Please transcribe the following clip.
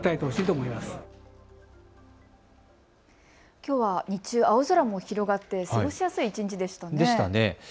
きょうは日中、青空も広がって過ごしやすい一日でしたね。